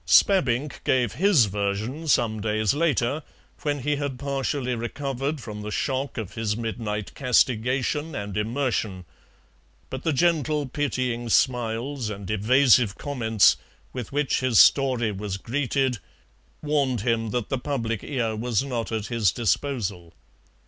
Spabbink gave HIS version some days later, when he had partially recovered from the shock of his midnight castigation and immersion, but the gentle pitying smiles and evasive comments with which his story was greeted warned him that the public ear was not at his disposal.